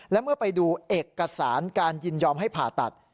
และเมื่อไปดูเอกสารการยินยอมให้ผ่าตัด